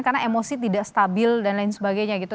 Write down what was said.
karena emosi tidak stabil dan lain sebagainya gitu